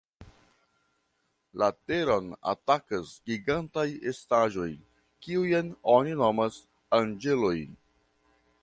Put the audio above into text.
La Teron atakas gigantaj estaĵoj, kiujn oni nomas "Anĝeloj".